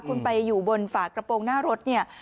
คุณไปอยู่บนฝากระโปรงหน้ารถเนี่ย